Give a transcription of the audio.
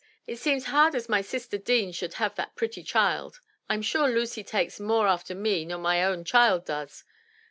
It seems hard as my sister Deane should have that pretty child. Fm sure Lucy takes more after me nor my own child does.